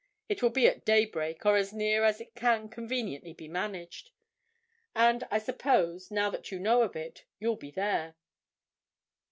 It will be at daybreak, or as near it as can conveniently be managed. And I suppose, now that you know of it, you'll be there?"